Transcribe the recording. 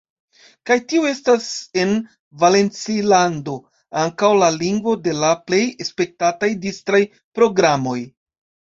Kaj tiu estas en Valencilando ankaŭ la lingvo de la plej spektataj distraj programoj.